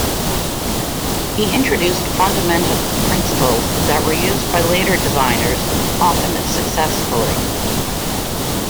He introduced fundamental principles that were used by later designers, often successfully.